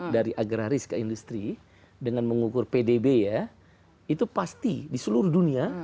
dari agraris ke industri dengan mengukur pdb ya itu pasti di seluruh dunia